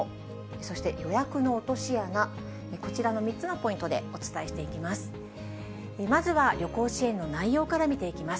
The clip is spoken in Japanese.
そして予約の落とし穴、こちらの３つのポイントでお伝えしていきます。